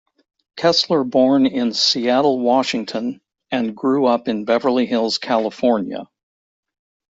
Kessler born in Seattle, Washington and grew up in Beverly Hills, California.